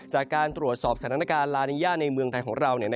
จากการตรวจสอบสถานการณ์ลานิยาในเมืองไทยของเรา